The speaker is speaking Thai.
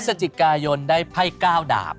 พฤศจิกายนได้ไพ่๙ดาบ